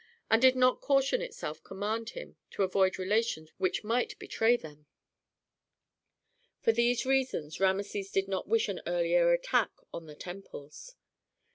And did not caution itself command him to avoid relations which might betray them? For these reasons Rameses did not wish an earlier attack on the temples.